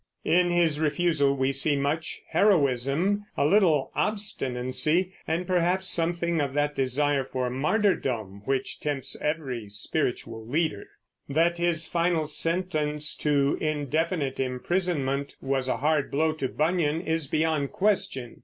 In his refusal we see much heroism, a little obstinacy, and perhaps something of that desire for martyrdom which tempts every spiritual leader. That his final sentence to indefinite imprisonment was a hard blow to Bunyan is beyond question.